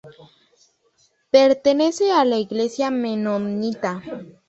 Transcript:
Pertenece a la iglesia menonita.